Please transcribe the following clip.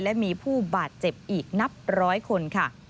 และมีผู้บาดเจ็บอีกนับ๑๐๐คน